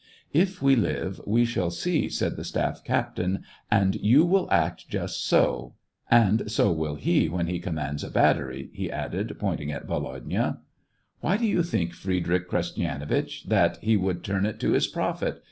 *• If we live, we shall see," said the staff cap tain ; "and you will act just so, and so will he when he commands a battery," he added, point ing at Volodya. " Why do you think, Friedrich Krestyanitch, that he would turn it to his profit